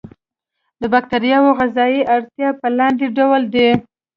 د باکتریاوو غذایي اړتیاوې په لاندې ډول دي.